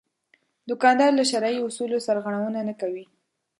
دوکاندار له شرعي اصولو سرغړونه نه کوي.